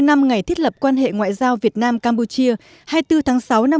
ngày thiết lập quan hệ ngoại giao việt nam campuchia